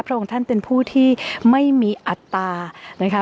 องค์ท่านเป็นผู้ที่ไม่มีอัตรานะคะ